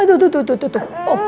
aduh tuh tuh